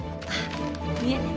いえ。